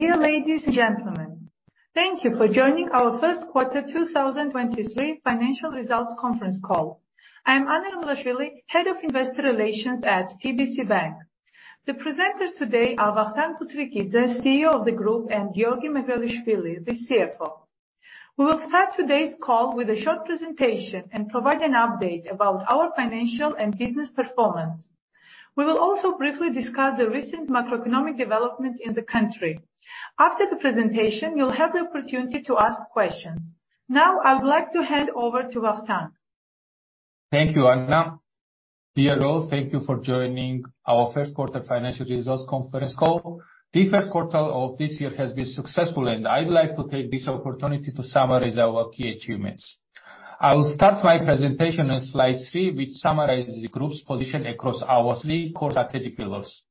Dear ladies and gentlemen, thank you for joining our Q1 2023 financial results conference call. I'm Anna Romelashvili, Head of Investor Relations at TBC Bank. The presenters today are Vakhtang Butskhrikidze, CEO of the group, and Giorgi Megrelishvili, the CFO. We will start today's call with a short presentation and provide an update about our financial and business performance. We will also briefly discuss the recent macroeconomic development in the country. After the presentation, you'll have the opportunity to ask questions. I would like to hand over to Vakhtang. Thank you, Ana. Dear all, thank you for joining our Q1 financial results conference call. The Q1 of this year has been successful, and I'd like to take this opportunity to summarize our key achievements. I will start my presentation on slide three, which summarizes the group's position across our three core strategic pillars.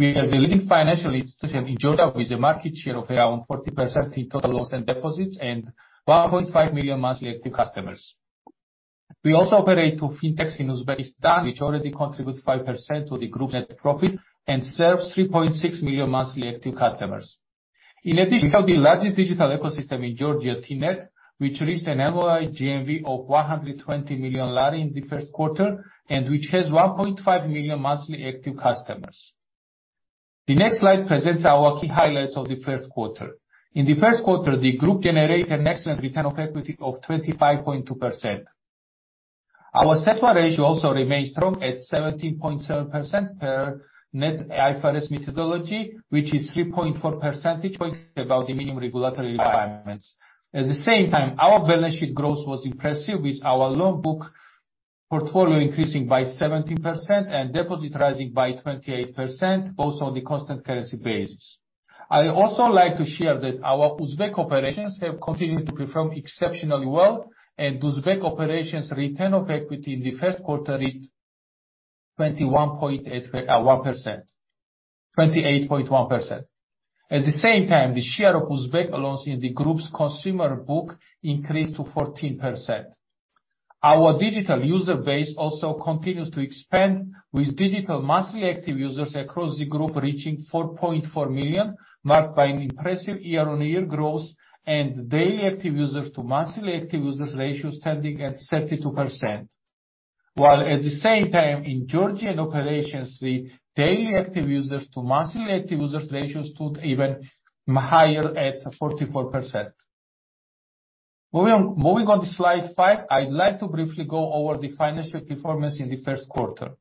We are the lead financial institution in Giorgia with a market share of around 40% in total loans and deposits and 1.5 million monthly active customers. We also operate two fintechs in Uzbekistan, which already contributes 5% to the group net profit and serves 3.6 million monthly active customers. In addition to the largest digital ecosystem in Giorgia, TNET, which reached an MOI GMV of GEL 120 million in the Q1 and which has 1.5 million monthly active customers. The next slide presents our key highlights of the Q1. In the Q1, the group generated an excellent return of equity of 25.2%. Our CET1 also remains strong at 17.7% per net IFRS methodology, which is 3.4 percentage points above the minimum regulatory requirements. At the same time, our balance sheet growth was impressive, with our loan book portfolio increasing by 17% and deposit rising by 28%, both on the constant currency basis. I also like to share that our Uzbek operations have continued to perform exceptionally well, and Uzbek operations return of equity in the Q1 reached 28.1%. At the same time, the share of Uzbek loans in the group's consumer book increased to 14%. Our digital user base also continues to expand, with digital monthly active users across the group reaching 4.4 million, marked by an impressive year-on-year growth and daily active users to monthly active users ratio standing at 32%. In Giorgian operations, the daily active users to monthly active users ratio stood even higher at 44%. Moving on to slide five, I'd like to briefly go over the financial performance in the Q1.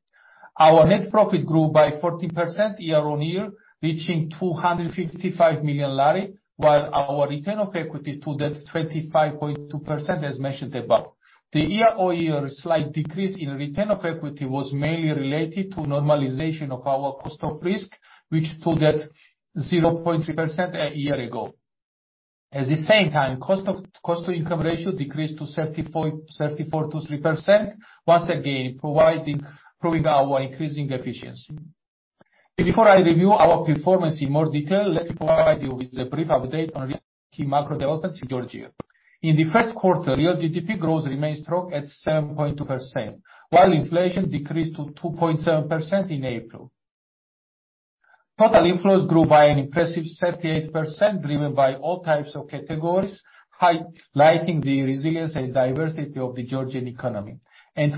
Our net profit grew by 40% year-on-year, reaching GEL 255 million, while our return of equity stood at 25.2% as mentioned above. The year-over-year slight decrease in return of equity was mainly related to normalization of our cost of risk, which stood at 0.3% a year ago. At the same time, cost to income ratio decreased to 34.3%, once again, proving our increasing efficiency. Before I review our performance in more detail, let me provide you with a brief update on recent key macro developments in Giorgia. In the Q1, real GDP growth remained strong at 7.2%, while inflation decreased to 2.7% in April. Total inflows grew by an impressive 38%, driven by all types of categories, highlighting the resilience and diversity of the Giorgian economy.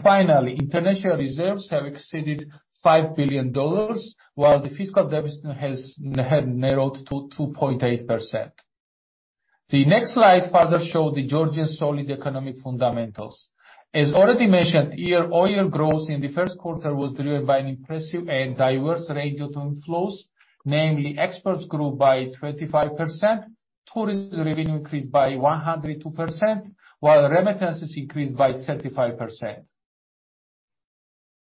Finally, international reserves have exceeded $5 billion, while the fiscal deficit has narrowed to 2.8%. The next slide further show the Giorgian solid economic fundamentals. As already mentioned, year-over-year growth in the Q1 was driven by an impressive and diverse range of inflows. Namely, exports grew by 25%, tourism revenue increased by 102%, while remittances increased by 35%.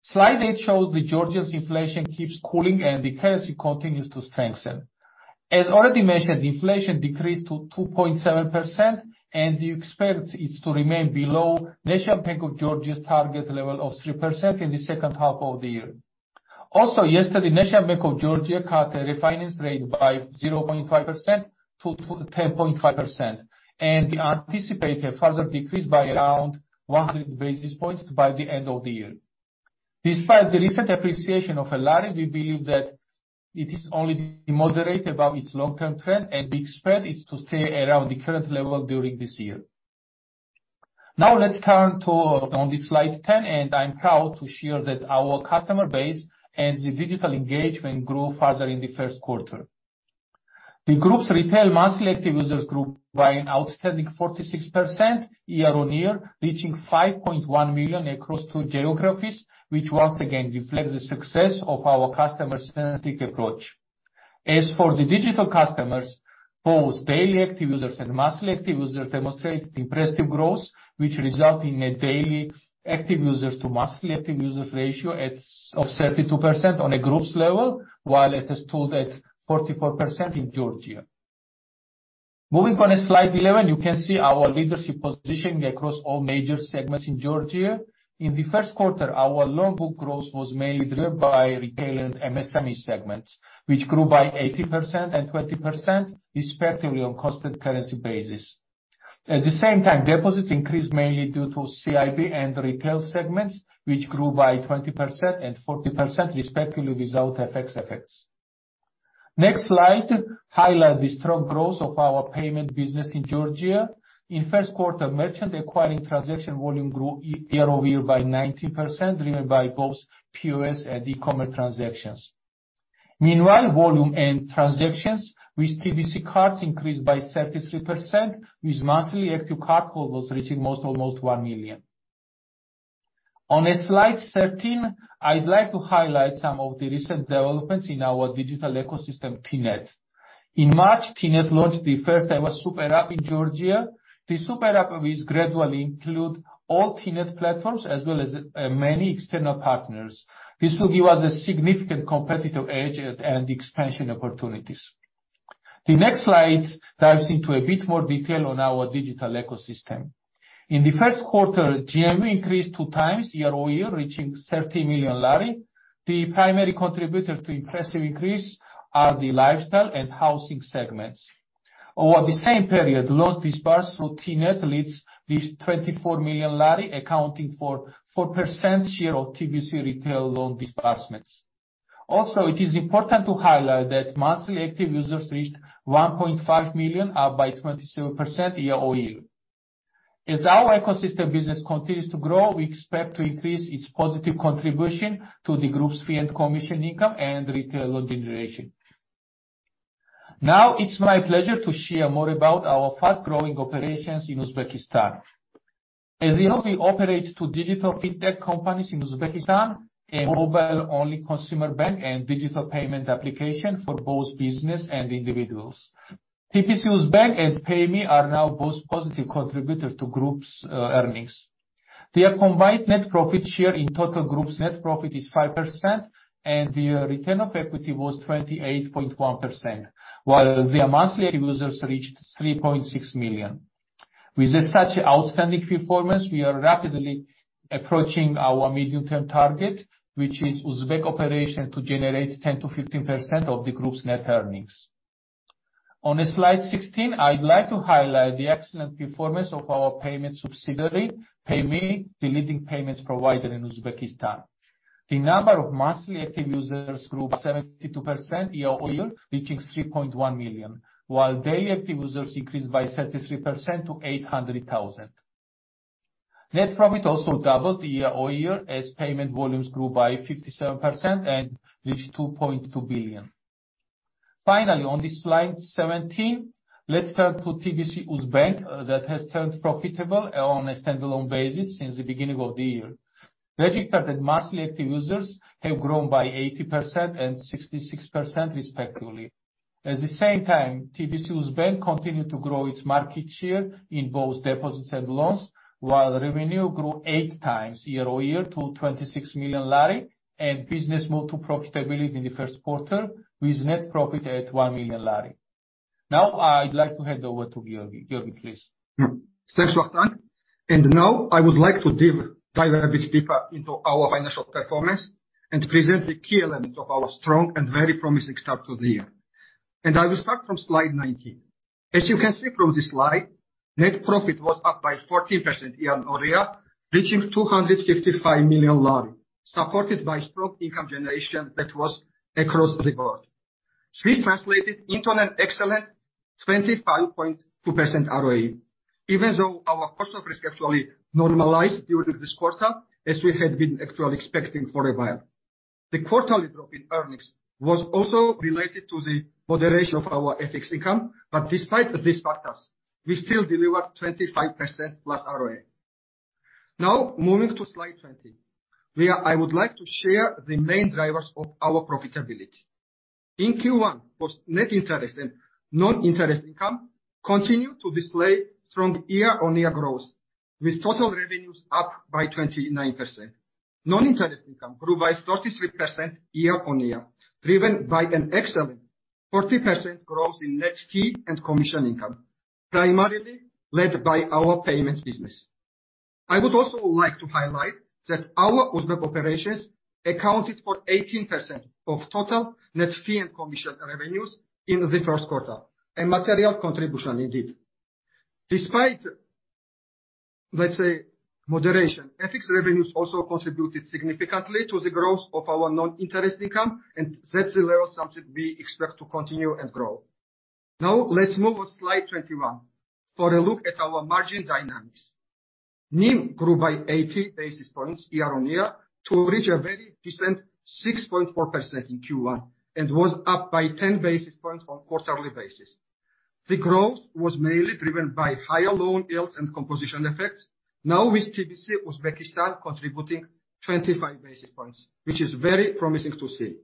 Slide eight shows that Giorgia's inflation keeps cooling and the currency continues to strengthen. As already mentioned, inflation decreased to 2.7%, and we expect it to remain below National Bank of Giorgia's target level of 3% in the second half of the year. Also, yesterday, National Bank of Giorgia cut the refinance rate by 0.5% to 10.5%, and we anticipate a further decrease by around 100 basis points by the end of the year. Despite the recent appreciation of the Lari, we believe that it is only moderate above its long-term trend, and we expect it to stay around the current level during this year. Now let's turn to on slide 10, and I'm proud to share that our customer base and the digital engagement grew further in the Q1. The group's retail monthly active users grew by an outstanding 46% year-on-year, reaching 5.1 million across two geographies, which once again reflects the success of our customer-centric approach. As for the digital customers, both daily active users and monthly active users demonstrated impressive growth, which result in a daily active users to monthly active users ratio of 32% on a group's level, while it has stood at 44% in Giorgia. Moving on to slide 11, you can see our leadership positioning across all major segments in Giorgia. In the Q1, our loan book growth was mainly driven by retail and MSME segments, which grew by 80% and 20% respectively on constant currency basis. At the same time, deposits increased mainly due to CIB and retail segments, which grew by 20% and 40% respectively without FX effects. Next slide highlight the strong growth of our payment business in Giorgia. In Q1, merchant acquiring transaction volume grew year-over-year by 90%, driven by both POS and e-commerce transactions. Meanwhile, volume and transactions with TBC cards increased by 33% with monthly active cardholders reaching almost 1 million. On slide 13, I'd like to highlight some of the recent developments in our digital ecosystem, TNET. In March, TNET launched the first-ever Super App in Giorgia. The Super App, which gradually include all TNET platforms as well as many external partners. This will give us a significant competitive edge and expansion opportunities. The next slide dives into a bit more detail on our digital ecosystem. In the Q1, GMV increased two times year-over-year, reaching GEL 30 million. The primary contributor to impressive increase are the lifestyle and housing segments. Over the same period, loans disbursed through TNET reached GEL 24 million accounting for 4% share of TBC retail loan disbursements. Also, it is important to highlight that monthly active users reached 1.5 million, up by 27% year-over-year. As our ecosystem business continues to grow, we expect to increase its positive contribution to the group's fee and commission income and retail loan generation. Now it's my pleasure to share more about our fast-growing operations in Uzbekistan. As you know, we operate two digital fintech companies in Uzbekistan, a mobile-only consumer bank and digital payment application for both business and individuals. TBC UZ and Payme are now both positive contributors to group's earnings. Their combined net profit share in total group's net profit is 5%, and their return of equity was 28.1%, while their monthly active users reached 3.6 million. With such outstanding performance, we are rapidly approaching our medium-term target, which is Uzbek operation to generate 10% to 15% of the group's net earnings. On slide 16, I'd like to highlight the excellent performance of our payment subsidiary, Payme, the leading payments provider in Uzbekistan. The number of monthly active users grew 72% year-over-year, reaching 3.1 million, while daily active users increased by 33% to 800,000. Net profit also doubled year-over-year as payment volumes grew by 57% and reached UZS 2.2 billion. Finally, on the slide 17, let's turn to TBC UZ that has turned profitable on a standalone basis since the beginning of the year. Registered and monthly active users have grown by 80% and 66% respectively. At the same time, TBC UZ continued to grow its market share in both deposits and loans, while revenue grew 8 times year-over-year to GEL 26 million and business moved to profitability in the Q1, with net profit at GEL 1 million. Now, I'd like to hand over to Giorgi. Giorgi, please. Thanks, Vakhtang. Now I would like to dive a bit deeper into our financial performance and present the key elements of our strong and very promising start to the year. I will start from slide 19. As you can see from this slide, net profit was up by 14% year-on-year, reaching GEL 255 million, supported by strong income generation that was across the board. This translated into an excellent 25.2% ROE, even though our cost of risk actually normalized during this quarter, as we had been actually expecting for a while. The quarterly drop in earnings was also related to the moderation of our FX income, despite these factors, we still delivered 25%+ ROE. Now moving to slide 20, where I would like to share the main drivers of our profitability. In Q1, both net interest and non-interest income continued to display strong year-on-year growth, with total revenues up by 29%. Non-interest income grew by 33% year-on-year, driven by an excellent 40% growth in net fee and commission income, primarily led by our payments business. I would also like to highlight that our Uzbek operations accounted for 18% of total net fee and commission revenues in the Q1, a material contribution indeed. Despite, let's say, moderation, FX revenues also contributed significantly to the growth of our non-interest income. That's a level subject we expect to continue and grow. Let's move on slide 21 for a look at our margin dynamics. NIM grew by 80 basis points year-on-year to reach a very decent 6.4% in Q1 and was up by 10 basis points on quarterly basis. The growth was mainly driven by higher loan yields and composition effects, now with TBC Uzbekistan contributing 25 basis points, which is very promising to see.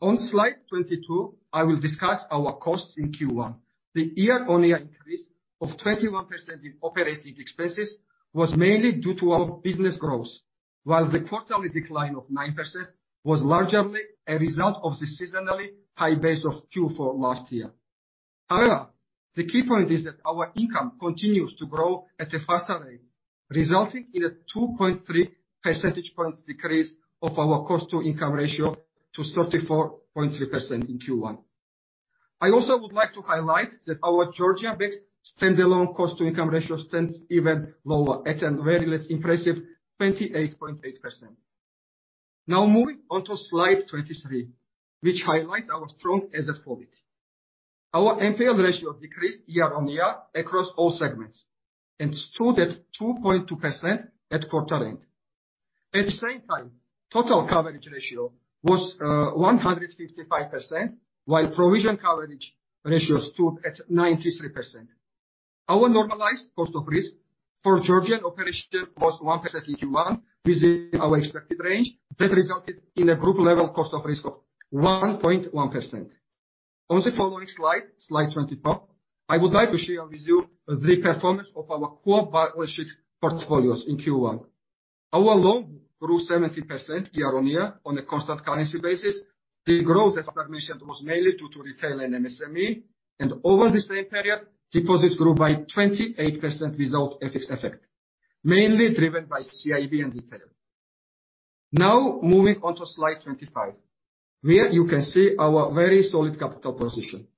On slide 22, I will discuss our costs in Q1. The year-on-year increase of 21% in operating expenses was mainly due to our business growth, while the quarterly decline of 9% was largely a result of the seasonally high base of Q4 last year. However, the key point is that our income continues to grow at a faster rate. Resulting in a 2.3 percentage points decrease of our cost to income ratio to 34.3% in Q1. I also would like to highlight that our Giorgia bank's standalone cost to income ratio stands even lower at a very less impressive 28.8%. Moving on to slide 23, which highlights our strong asset quality. Our NPL ratio decreased year-on-year across all segments and stood at 2.2% at quarter end. At the same time, total coverage ratio was 155%, while provision coverage ratio stood at 93%. Our normalized cost of risk for Giorgian operation was 1% in Q1, within our expected range. That resulted in a group level cost of risk of 1.1%. On the following slide 24, I would like to share with you the performance of our core partnership portfolios in Q1. Our loan grew 70% year-on-year on a constant currency basis. The growth, as I mentioned, was mainly due to retail and MSME. Over the same period, deposits grew by 28% without FX effect, mainly driven by CIB and retail. Moving on to slide 25, where you can see our very solid capital position.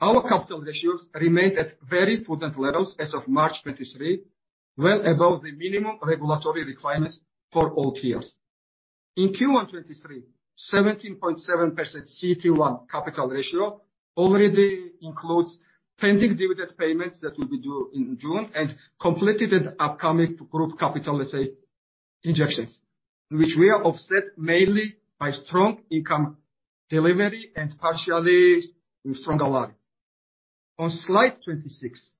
Our capital ratios remained at very potent levels as of March 2023, well above the minimum regulatory requirements for all tiers. In Q1 2023, 17.7% CET1 capital ratio already includes pending dividend payments that will be due in June and completed at upcoming group capital, let's say, injections, which we have offset mainly by strong income delivery and partially with stronger liability. On slide 26,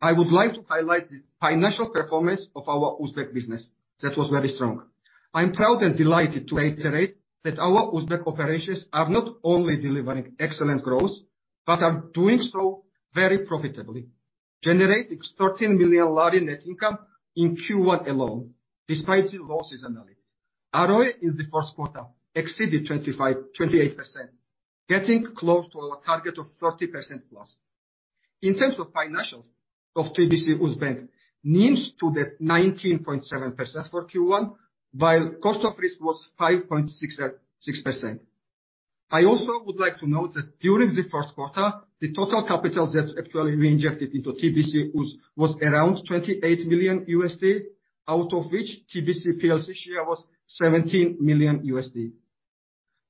I would like to highlight the financial performance of our Uzbek business. That was very strong. I'm proud and delighted to iterate that our Uzbek operations are not only delivering excellent growth, but are doing so very profitably, generating GEL 13 million net income in Q1 alone, despite the low seasonality. ROE in the Q1 exceeded 25%, 28%, getting close to our target of 30%+. In terms of financials of TBC Uz, NIMs stood at 19.7% for Q1, while cost of risk was 5.6%. I also would like to note that during the Q1, the total capital that actually we injected into TBC UZ was around $28 million, out of which TBC PLC share was $17 million.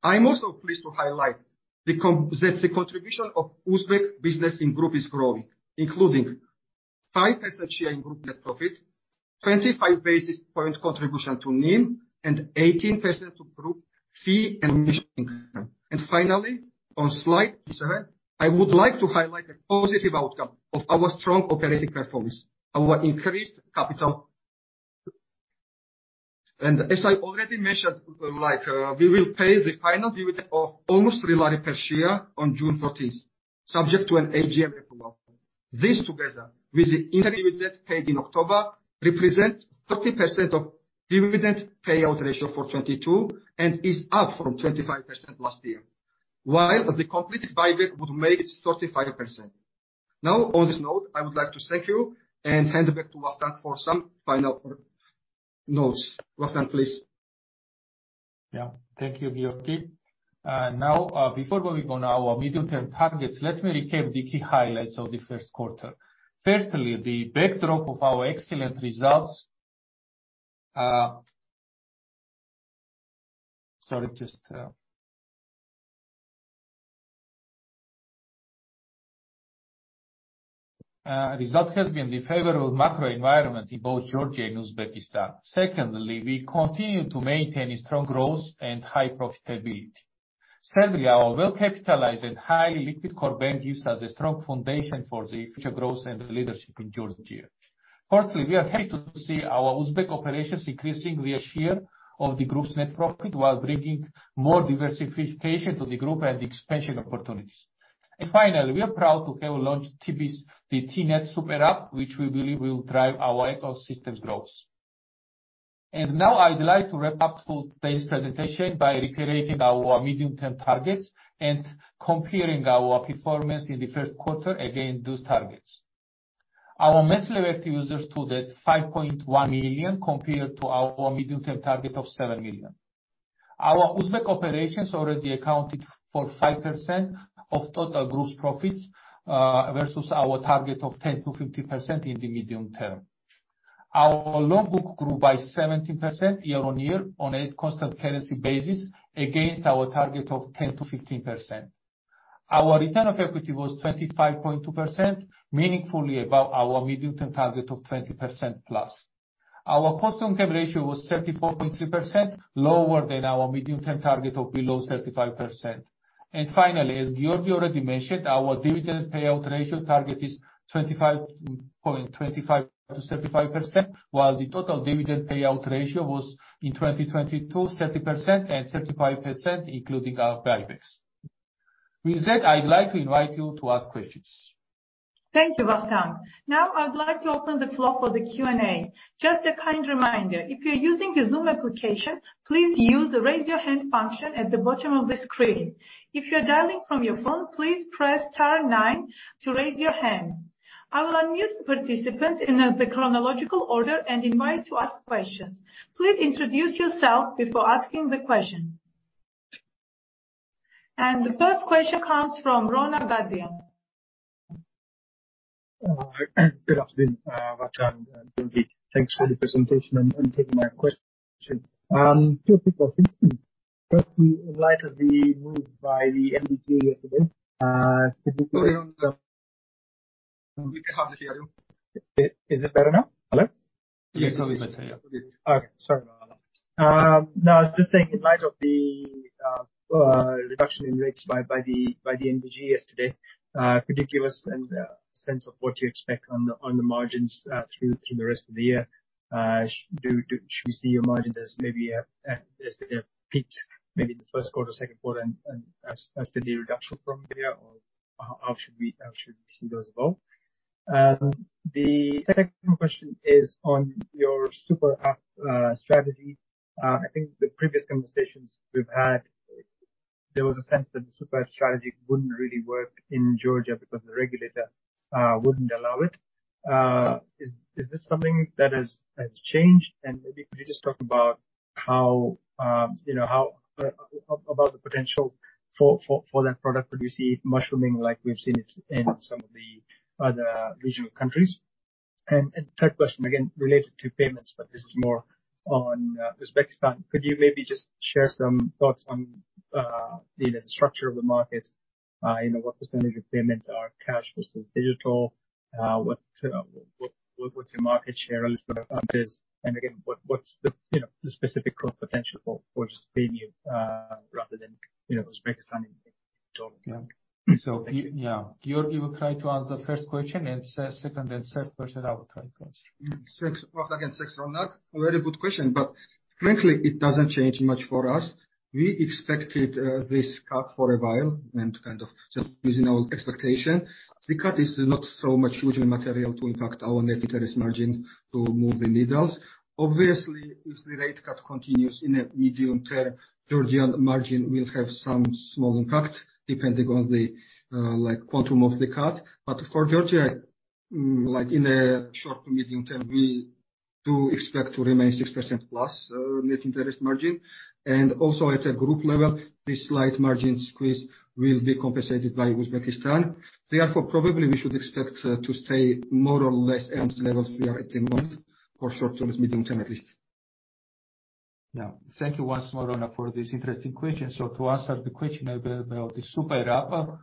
I'm also pleased to highlight that the contribution of Uzbek business in group is growing, including 5% share in group net profit, 25 basis point contribution to NIM, and 18% to group fee and commission income. Finally, on slide 27, I would like to highlight the positive outcome of our strong operating performance, our increased capital. As I already mentioned, like, we will pay the final dividend of almost GEL 3 per share on 14 June subject to an AGM approval. This together with the interim dividend paid in October represents 30% of dividend payout ratio for 2022 and is up from 25% last year, while the completed buyback would make it 35%. On this note, I would like to thank you and hand it back to Vakhtang for some final notes. Vakhtang, please. Yeah. Thank you, Giorgi. Now, before going on our medium term targets, let me recap the key highlights of the Q1. Firstly, the backdrop of our excellent results has been the favorable macro environment in both Giorgia and Uzbekistan. Secondly, we continue to maintain a strong growth and high profitability. Thirdly, our well-capitalized and highly liquid core bank gives us a strong foundation for the future growth and leadership in Giorgia. Fourthly, we are happy to see our Uzbek operations increasing their share of the group's net profit while bringing more diversification to the group and expansion opportunities. Finally, we are proud to have launched TBC, the TNET Super App, which we believe will drive our ecosystems growth. I'd like to wrap up today's presentation by reiterating our medium term targets and comparing our performance in the Q1 against those targets. Our monthly active users stood at 5.1 million compared to our medium term target of 7 million. Our Uzbek operations already accounted for 5% of total group's profits versus our target of 10% to 15% in the medium term. Our loan book grew by 17% year-on-year on a constant currency basis against our target of 10% to 15%. Our return of equity was 25.2%, meaningfully above our medium term target of 20%+. Our cost to income ratio was 34.3%, lower than our medium term target of below 35%. Finally, as Giorgi already mentioned, our dividend payout ratio target is 25.... 25% to 35%, while the total dividend payout ratio was, in 2022, 30% and 35%, including our buybacks. With that, I'd like to invite you to ask questions. Thank you, Vakhtang. I'd like to open the floor for the Q&A. Just a kind reminder, if you're using the Zoom application, please use the Raise Your Hand function at the bottom of the screen. If you're dialing from your phone, please press star nine to raise your hand. I will unmute participants in the chronological order and invite to ask questions. Please introduce yourself before asking the question. The first question comes from Ronan. [inaudible] Good afternoon, Vakhtang and Giorgi. Thanks for the presentation and taking my question. Two quick questions. First, in light of the move by the NBG yesterday, could you- We can't hear you. Is it better now? Hello? Yes, now it's better. Okay. Sorry about that. I was just saying, in light of the reduction in rates by the NBG yesterday, could you give us a sense of what you expect on the margins through the rest of the year? Should we see your margins as maybe a peak, maybe in the Q1, Q2, and as to the reduction from there, or how should we see those evolve? The second question is on your Super App strategy. I think the previous conversations we've had, there was a sense that the Super App strategy wouldn't really work in Giorgia because the regulator wouldn't allow it. Is this something that has changed? Maybe could you just talk about how, you know, about the potential for that product? Could you see it mushrooming like we've seen it in some of the other regional countries? Third question, again related to payments, but this is more on Uzbekistan. Could you maybe just share some thoughts on, you know, the structure of the market? You know, what % of payments are cash versus digital? What's your market share relative to others? Again, what's the, you know, the specific growth potential for just paying you, rather than, you know, Uzbekistan in total? Yeah. Giorgi will try to answer the first question, and second and third question I will try to answer. Thanks. Once again, thanks, Ronan. Very good question, but frankly it doesn't change much for us. We expected this cut for a while, and kind of just using our expectation. The cut is not so much huge in material to impact our net interest margin to move the needles. Obviously, if the rate cut continues in the medium term, Giorgian margin will have some small impact depending on the like quantum of the cut. But for Giorgia, like in the short to medium term, we do expect to remain 6% plus net interest margin. Also at a group level, this slight margin squeeze will be compensated by Uzbekistan. Therefore, probably we should expect to stay more or less same levels we are at the moment, for short term as medium term, at least. Thank you once more, Ronan, for this interesting question to answer the question about the Super App,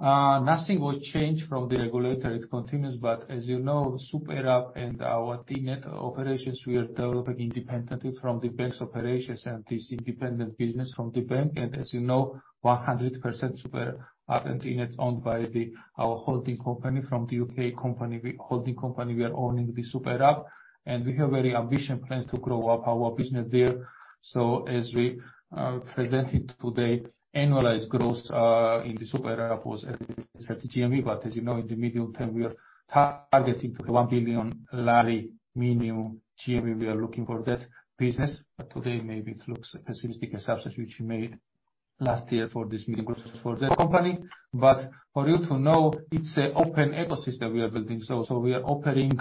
nothing will change from the regulator, it continues. As you know, Super App and our TNET operations, we are developing independently from the bank's operations and this independent business from the bank as you know, 100% Super App and TNET owned by the, our holding company from the U.K. company we, holding company, we are owning the Super App. We have very ambitious plans to grow up our business there. As we presented today, annualized growth in the Super App was at GMV as you know, in the medium term, we are targeting to GEL 1 billion minimum GMV. We are looking for that business. Today maybe it looks pessimistic as subset which we made last year for this new growth for the company. For you to know, it's a open ecosystem we are building. We are opening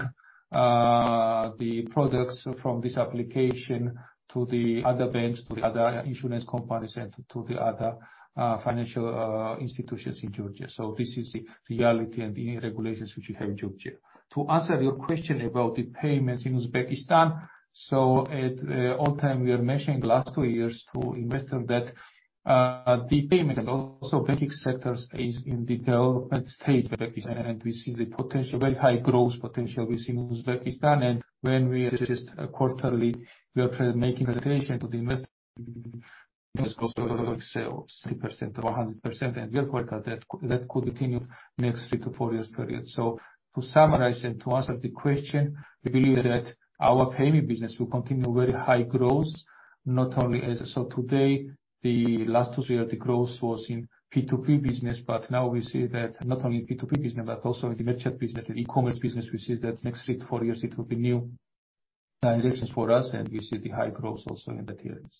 the products from this application to the other banks, to the other insurance companies, and to the other financial institutions in Giorgia. To answer your question about the payments in Uzbekistan, at all time we are mentioning last two years to investor that the payment and also banking sector is in development stage in Uzbekistan, and we see the potential, very high growth potential we see in Uzbekistan. When we adjust quarterly, we are making presentation to the invest in Uzbekistan ourselves, 3% to 100%, and we are quite sure that could continue next three to four years period. To summarize and to answer the question, we believe that our payment business will continue very high growth, not only as of today. The last two years, the growth was in P2P business. Now we see that not only in P2P business but also in the merchant business and e-commerce business, we see that next three to four years it will be new directions for us and we see the high growth also in that areas.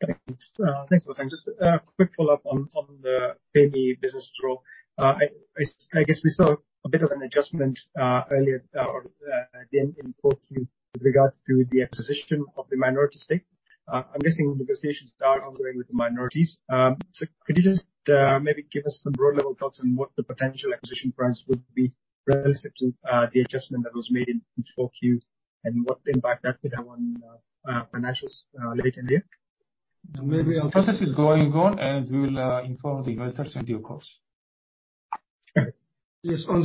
Thanks. Thanks for that. Just a quick follow-up on the payment business growth. I guess we saw a bit of an adjustment earlier or again in Q4 with regards to the acquisition of the minority stake. I'm guessing negotiations are ongoing with the minorities. Could you just maybe give us some broad level thoughts on what the potential acquisition price would be relative to the adjustment that was made in Q4, and what impact that could have on financials later in the year? Maybe I'll- The process is going on and we will inform the investors in due course. Okay. Yes. On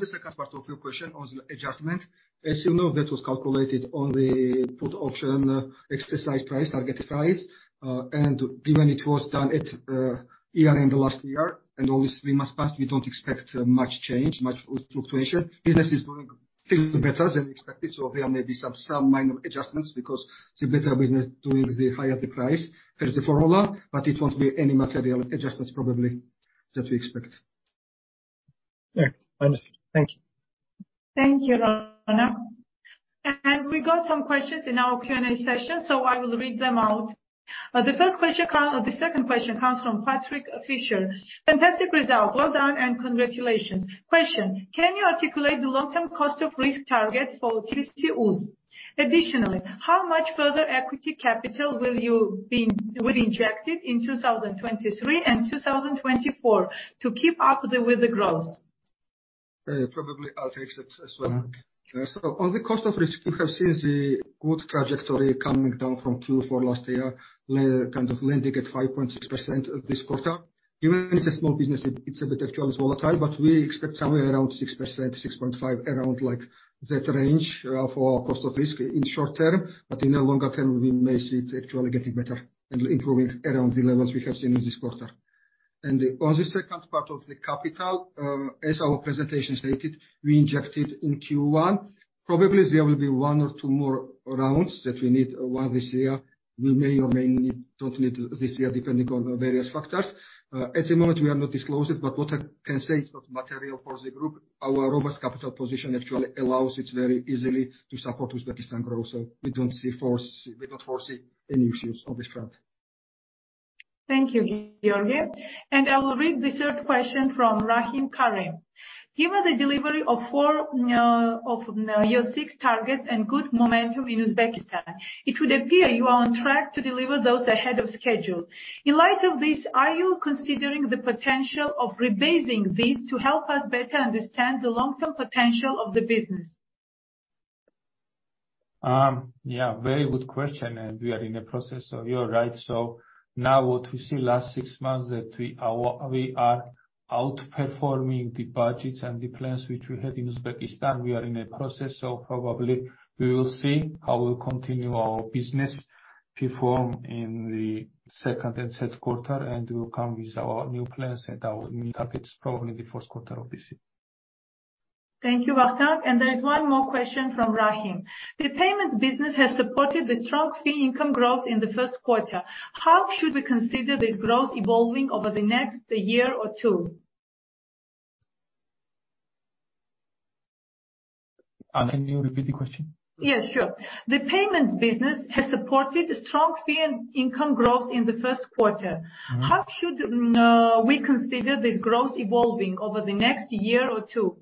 the second part of your question on the adjustment, as you know, that was calculated on the put option exercise price, target price. Given it was done at year end last year, and only three months passed, we don't expect much change, much fluctuation. Business is going still better than expected, so there may be some minor adjustments because the better business doing the higher the price. There is a formula. It won't be any material adjustments probably that we expect. Yeah. Understood. Thank you. Thank you, Ronan. We got some questions in our Q&A session, so I will read them out. The second question comes from. [inaudible] Fantastic results. Well done and congratulations. Question, can you articulate the long-term cost of risk target for TBC Uz? Additionally, how much further equity capital will inject it in 2023 and 2024 to keep up with the growth? Probably I'll take that as well. On the cost of risk, you have seen the good trajectory coming down from Q4 last year, kind of landing at 5.6% this quarter. Given it's a small business, it's a bit actually is volatile, but we expect somewhere around 6%, 6.5%, around like that range for our cost of risk in short term. In the longer term, we may see it actually getting better and improving around the levels we have seen in this quarter. On the second part of the capital, as our presentation stated, we injected in Q1. Probably there will be one or two more rounds that we need, one this year. We may or don't need this year, depending on the various factors. At the moment we have not disclosed it, but what I can say, it's not material for the group. Our robust capital position actually allows it very easily to support Uzbekistan growth, so we don't foresee any issues on this front. Thank you, Giorgi. I will read the third question from Rahim Karim. Given the delivery of four of your six targets and good momentum in Uzbekistan, it would appear you are on track to deliver those ahead of schedule. In light of this, are you considering the potential of rebasing these to help us better understand the long-term potential of the business? Yeah, very good question we are in the process you are right. Now what we see last six months that we are outperforming the budgets and the plans which we had in Uzbekistan we are in a process. Probably we will see how we'll continue our business perform in the Q2 and Q3. We will come with our new plans and our new targets probably the Q1 of this year. Thank you, Vakhtang. There is one more question from Rahim. The payments business has supported the strong fee income growth in the Q1. How should we consider this growth evolving over the next year or two? Can you repeat the question? Yes, sure. The payments business has supported strong fee income growth in the Q1. How should we consider this growth evolving over the next year or two?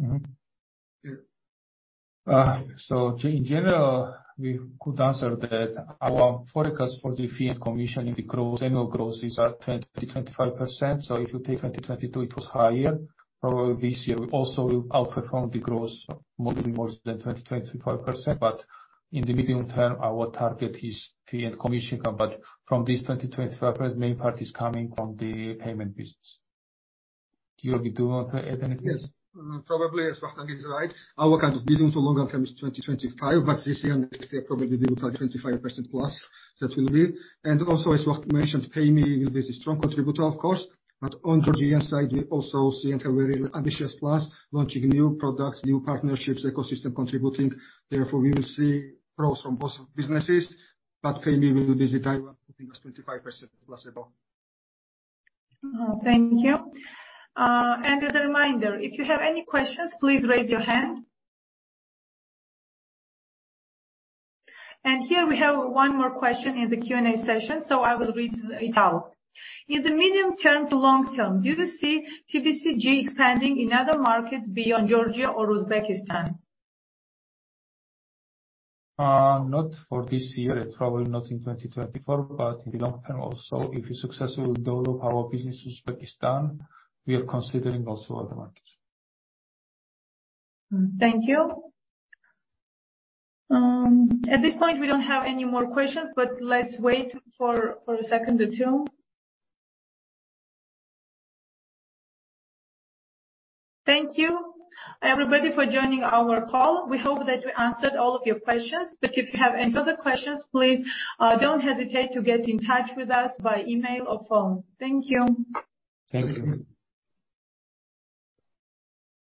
In general, we could answer that our forecast for the fee and commissioning, the growth, annual growth is at 20% to 25%. If you take 2022, it was higher. Probably this year we also will outperform the growth more than 20% to 25%. In the medium term, our target is fee and commission income. From this 20% to 25%, main part is coming from the payment business. Giorgi, do you want to add anything? Yes. Probably as Vakhtang is right, our kind of building to longer term is 2025, but this year and next year probably we will have 25%+ that will be. Also, as Vakhtang mentioned, PayMe will be a strong contributor of course. On Giorgia side, we also see and have very ambitious plans, launching new products, new partnerships, ecosystem contributing. Therefore, we will see growth from both businesses, but PayMe will be the driver putting us 25% plus above. Thank you. As a reminder, if you have any questions, please raise your hand. Here we have one more question in the Q&A session, I will read it out. In the medium term to long term, do you see TBCG expanding in other markets beyond Giorgia or Uzbekistan? Not for this year, and probably not in 2024, but in the long term also, if we successfully build our business in Uzbekistan, we are considering also other markets. Thank you. At this point, we don't have any more questions. Let's wait for a second or two. Thank you everybody for joining our call. We hope that we answered all of your questions. If you have any further questions, please don't hesitate to get in touch with us by email or phone. Thank you. Thank you.